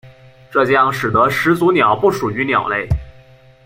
这将使得始祖鸟不属于鸟类。